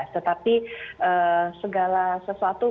tetapi segala sesuatu